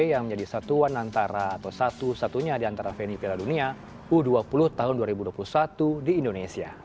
yang menjadi satuan antara atau satu satunya di antara venue piala dunia u dua puluh tahun dua ribu dua puluh satu di indonesia